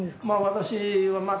まあ私は。